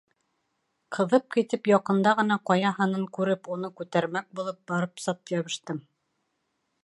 Ҡыҙып китеп яҡында ғына ҡая һынын күреп уны күтәрмәк булып барып сат йәбештем.